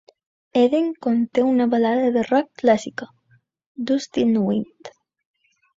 "Eden" conté una balada de rock clàssica, "Dust in the Wind".